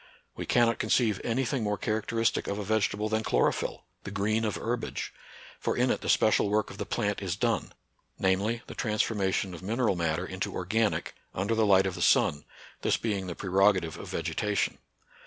We cannot conceive any thing more characteristic of a vegetable than chlorophyll, the green of herbage ; for in it the special work of the plant is done, — namely, the transformation of mine ral matter into organic, under the light of the sun, this being the prerogative of vegetation.